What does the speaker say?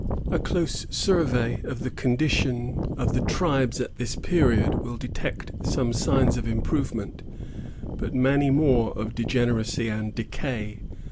A close survey of the condition of the tribes at this period will detect some signs of improvement, but many more of degeneracy and decay.